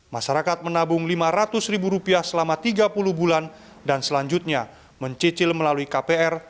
masyarakat menabung lima ratus ribu rupiah selama tiga puluh bulan dan selanjutnya mencicil melalui kpr